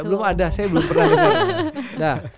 belum ada saya belum pernah itu